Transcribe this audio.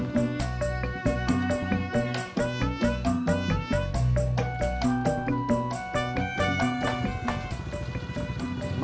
sini itu udah selima